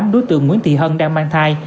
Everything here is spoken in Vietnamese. đối tượng nguyễn thị hân đang mang thai